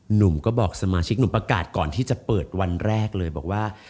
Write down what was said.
หนุ่มก็บอกสมาชิกหนุ่มประกาศก่อนที่จะเปิดวันแรกเลยบอกว่า